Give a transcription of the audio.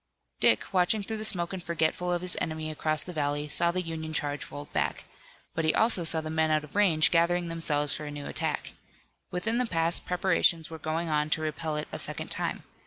Dick, watching through the smoke and forgetful of his enemy across the valley, saw the Union charge rolled back. But he also saw the men out of range gathering themselves for a new attack. Within the pass preparations were going on to repel it a second time.